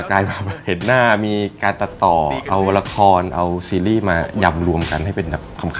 ลายแบบเห็นหน้ามีการตัดต่อเอาละครเอาซีรีส์มายำรวมกันให้เป็นแบบคำ